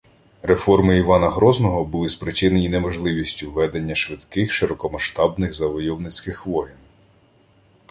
– Реформи Івана Грозного були спричинені неможливістю ведення швидких широкомасштабних завойовницьких воєн